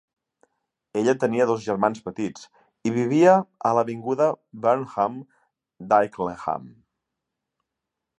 Ella tenia dos germans petits i vivia a l'avinguda Burnham d'Ickenham.